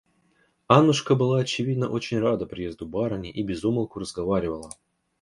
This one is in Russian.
Аннушка была, очевидно, очень рада приезду барыни и без умолку разговаривала.